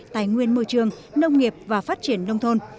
tài nguyên môi trường nông nghiệp và phát triển nông thôn